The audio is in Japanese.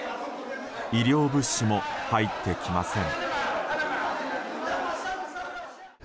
医療物資も入ってきません。